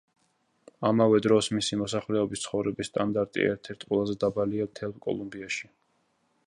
ამავე დროს, მისი მოსახლეობის ცხოვრების სტანდარტი ერთ-ერთი ყველაზე დაბალია მთელ კოლუმბიაში.